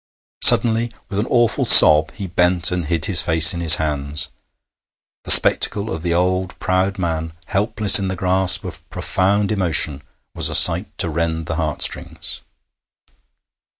Suddenly, with an awful sob, he bent and hid his face in his hands. The spectacle of the old, proud man helpless in the grasp of profound emotion was a sight to rend the heart strings.